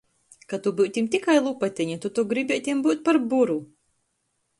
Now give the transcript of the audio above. Ka tu byutim tikai lupateņa, tu tok gribietim byut par buru!